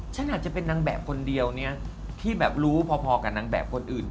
ฉันอาจจะเป็นนางแบบคนเดียวเนี่ยที่แบบรู้พอกับนางแบบคนอื่น